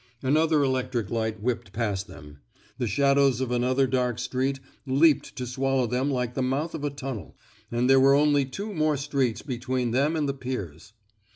Another electric light whipped past them; the shadows of another dark street leaped to swallow them like the mouth of a tunnel; and there were only two more streets be tween them and the piers.